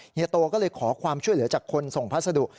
เฮีโตก็เลยขอความช่วยเหลือจากคนส่งพัสดุ